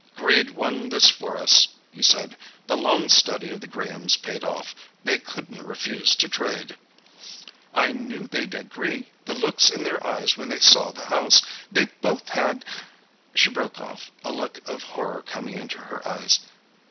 "Greed won this for us," he said. "The long study of the Grahams paid off. They couldn't refuse to trade." "I knew they'd agree. The looks in their eyes when they saw the house! They both had ..." She broke off, a look of horror coming into her eyes.